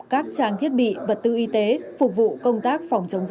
các trang thiết bị vật tư y tế phục vụ công tác phòng chống dịch